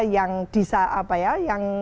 yang bisa apa ya yang